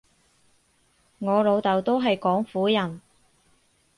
我老豆都係廣府人